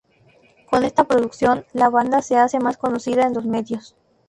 Con esta producción, la banda se hace más conocida en los medios.